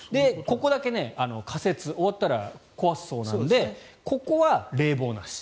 ここだけ仮設終わったら壊すそうなのでここは冷房なし。